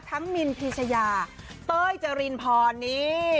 ทั้งมินพิชยาเต้าจารินพอน์นี